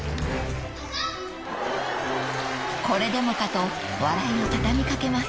［これでもかと笑いを畳み掛けます］